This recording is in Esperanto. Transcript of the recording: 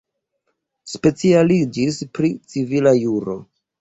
Specialiĝis pri civila juro.